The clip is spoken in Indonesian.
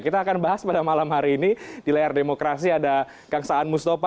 kita akan bahas pada malam hari ini di layar demokrasi ada kang saan mustafa